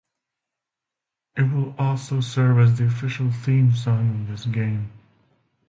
It will also serve as the official theme song of this game.